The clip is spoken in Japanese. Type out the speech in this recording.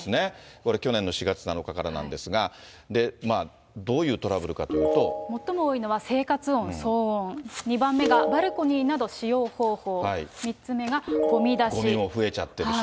これ、去年の４月７日からなんですが、どういうトラブルかという最も多いのは生活音、騒音、２番目がバルコニーなど、使用方法、３つ目がごみ出し。